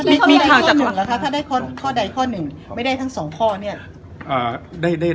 ถ้าได้ข้อใดข้อหนึ่งไม่ได้ทั้งสองข้อเนี่ย